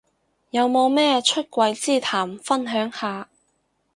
有冇咩出櫃之談分享下